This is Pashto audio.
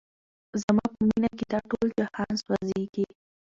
زما په مینه کي دا ټول جهان سوځیږي